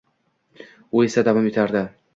U esa davom etardi